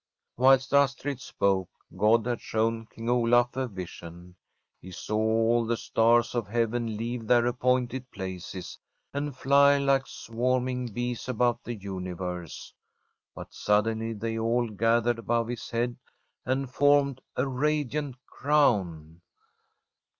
Whilst Astrid spoke, God had shown King Olaf a vision. He saw all the stars of heaven leave their appointed places, and fly like swarm ASTRID ing bees about the universe. But suddenly they all gathered above his head and formed a radiant crown.